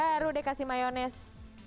baru deh kasih mayonais